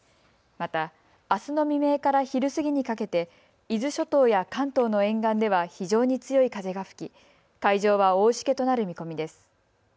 またあすの未明から昼過ぎにかけて伊豆諸島や関東の沿岸では非常に強い風が吹き海上は大しけとなる見込みです。